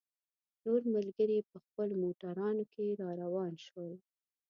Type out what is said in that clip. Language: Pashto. نور ملګري په خپلو موټرانو کې را روان شول.